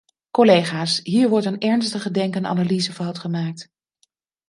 Collega's, hier wordt een ernstige denk- en analysefout gemaakt.